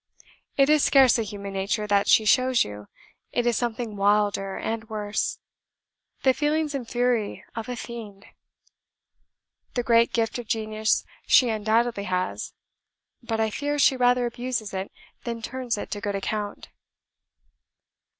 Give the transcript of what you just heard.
It is scarcely human nature that she shows you; it is something wilder and worse; the feelings and fury of a fiend. The great gift of genius she undoubtedly has; but, I fear, she rather abuses it than turns it to good account.